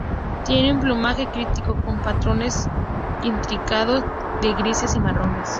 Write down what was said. Tiene un plumaje críptico, con patrones intrincados de grises y marrones.